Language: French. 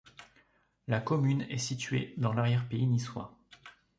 La commune est située dans l'arrière-pays niçois.